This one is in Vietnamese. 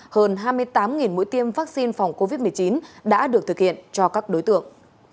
hơn hai mươi tám mũi tiêm vaccine phòng covid một mươi chín đã được thực hiện cho các đối tượng